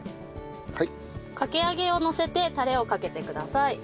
かき揚げをのせてタレをかけてください。